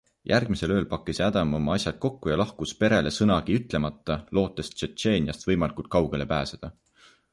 Järgmisel ööl pakkis Adam oma asjad kokku ja lahkus perele sõnagi ütlemata, lootes Tšetšeeniast võimalikult kaugele pääseda.